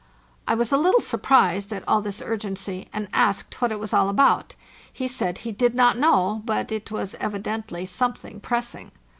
I was a little surprised at all this urgency, and asked what it was all about. He said he did not know, but it was evidently something pressing.